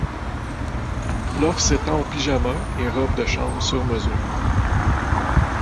L'offre s'étend aux pyjamas et robes de chambre sur-mesure.